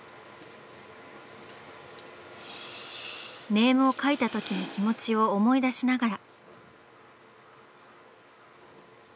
ネームを描いたときの気持ちを思い出しながら。